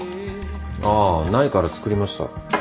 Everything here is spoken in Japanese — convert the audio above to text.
ああないから作りました。